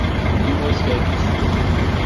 Dima yeskerkis fell-i.